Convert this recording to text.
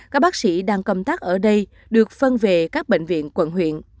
các bác sĩ đang công tác ở đây được phân về các bệnh viện quận huyện